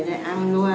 vì về đây ăn luôn